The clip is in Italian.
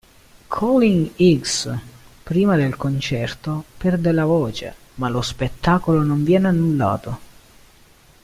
Colin Hicks, prima del concerto, perde la voce, ma lo spettacolo non viene annullato.